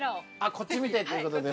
◆こっち見てということで。